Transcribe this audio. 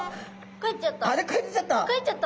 帰っちゃった。